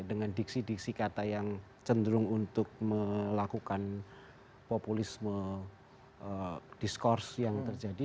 itu adalah diskusi diskusi kata yang cenderung untuk melakukan populisme diskorsi yang terjadi